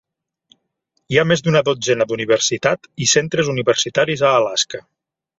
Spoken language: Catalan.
Hi ha més d'una dotzena d'universitat i centres universitaris a Alaska.